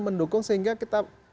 mendukung sehingga kita